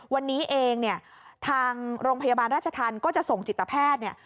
วันนี้เองทางโรงพยาบาลรัชธรรมก็จะส่งจิตแพทย์